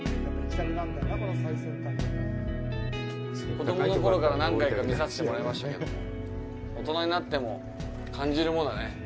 子供のころから何回か見させてもらいましたけども大人になっても感じるものはね。